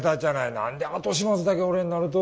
何で後始末だけ俺になると！